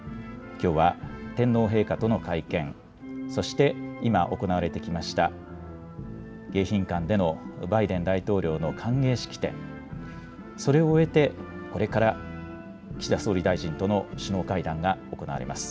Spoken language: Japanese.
きょうは天皇陛下との会見、そして今、行われてきました迎賓館でのバイデン大統領の歓迎式典、それを終えてこれから岸田総理大臣との首脳会談が行われます。